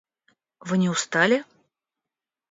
Вы не устали?